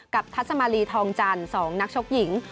ทัศมาลีทองจันทร์๒นักชกหญิง